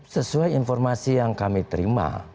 sesuai informasi yang kami terima